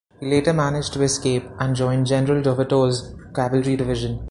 He later managed to escape and joined General Dovator's Cavalry Division.